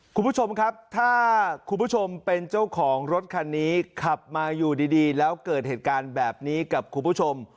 คุณผู้ชมครับถ้าคุณผู้ชมเป็นเจ้าของรถคันนี้ขับมาอยู่ดีแล้วเกิดเหตุการณ์แบบนี้กับคุณผู้ชม